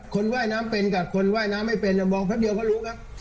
ว่ายน้ำเป็นกับคนว่ายน้ำไม่เป็นมองแป๊บเดียวก็รู้ครับ